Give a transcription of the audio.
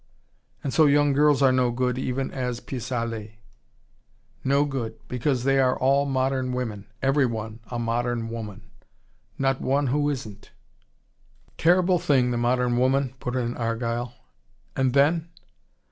"And so young girls are no good, even as a pis aller." "No good because they are all modern women. Every one, a modern woman. Not one who isn't." "Terrible thing, the modern woman," put in Argyle. "And then